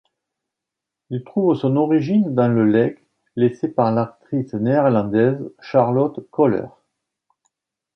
Il trouve son origine dans le legs laissé par l'actrice néerlandaise Charlotte Köhler.